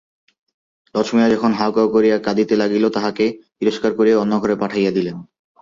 লছমিয়া যখন হাউ-হাউ করিয়া কাঁদিতে লাগিল তাহাকে তিরস্কার করিয়া অন্য ঘরে পাঠাইয়া দিলেন।